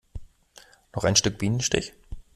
Noch ein Stück Bienenstich?